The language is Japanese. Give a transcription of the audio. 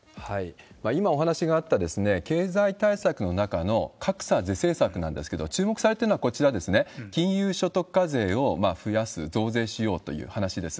今お話があった経済対策の中の格差是正策なんですけれども、注目されてるのはこちらですね、金融所得課税を増やす、増税しようという話です。